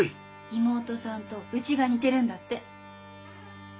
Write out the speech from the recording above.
妹さんとうちが似てるんだって。